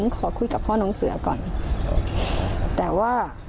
และคืออ๋อดดสิโรงเรียนเหอะ